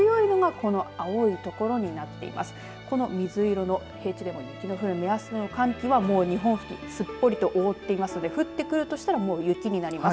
この水色の平地でも雪の降る目安の寒気はもう日本付近すっぽりと覆っていますので降ってくるとしたら雪になります。